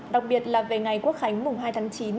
đặc biệt là về ngày quốc khánh mùng hai tháng chín